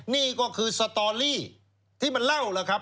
นี่ก็คือสตอรี่ที่มันเล่าล่ะครับ